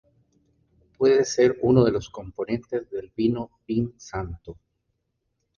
Puede ser uno de los componentes del vino Vin Santo.